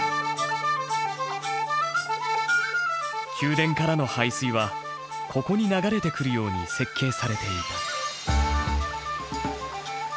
宮殿からの排水はここに流れてくるように設計されていた。